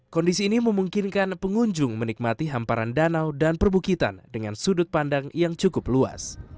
kondisi ini memungkinkan pengunjung menikmati hamparan danau dan perbukitan dengan sudut pandang yang cukup luas